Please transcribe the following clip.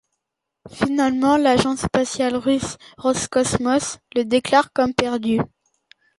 Finalement l'agence spatiale russe Roscosmos le déclare comme perdu.